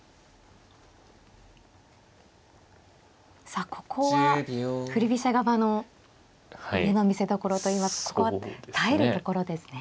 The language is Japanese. さあここは振り飛車側の腕の見せどころといいますかここは耐えるところですね。